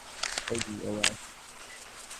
ওই ওরা আসছে।